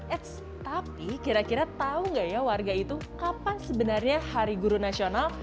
eits tapi kira kira tahu nggak ya warga itu kapan sebenarnya hari guru nasional